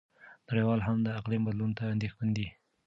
نړیوال هم د اقلیم بدلون ته اندېښمن دي.